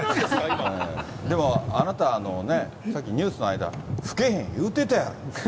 でも、あなた、さっきニュースの間、吹けへん言うてたやろ。